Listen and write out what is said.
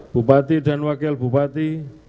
bupati dan wakil bupati